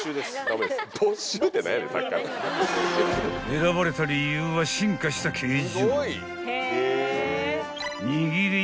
［選ばれた理由は進化した形状］